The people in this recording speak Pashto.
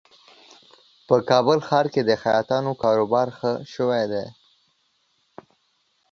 په کابل ښار کې د خیاطانو کاروبار ښه شوی دی